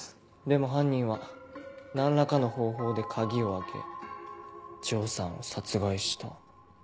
でも犯人は何らかの方法で鍵を開け城さんを殺害した。